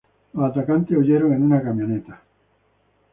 Los atacantes huyeron en una camioneta.